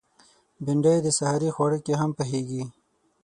بېنډۍ د سحري خواړه کې هم پخېږي